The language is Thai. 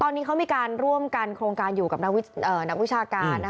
ตอนนี้เขามีการร่วมกันโครงการอยู่กับนักวิชาการ